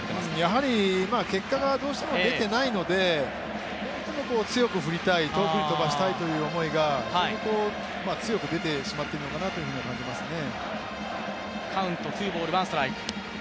やはり結果がどうしても出てないので、どうしても強く振りたい、遠くに飛ばしたいという思いが非常に強く出てしまっているのかなと感じますね。